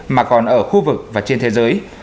mà còn ở khu vực và trên thế giới